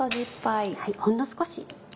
ほんの少し。